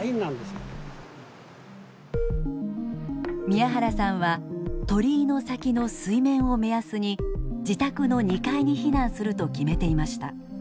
宮原さんは鳥居の先の水面を目安に自宅の２階に避難すると決めていました。